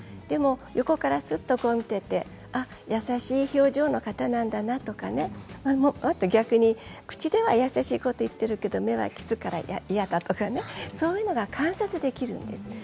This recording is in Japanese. でも横から、すっと見て優しい表情の方なんだなとかもっと逆に口では優しいことを言ってるけれど目は、きついから嫌だとかそういうことが観察できるんです。